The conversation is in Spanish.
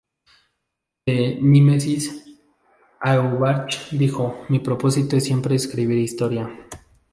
De "Mímesis", Auerbach dijo: "Mi propósito es siempre escribir historia".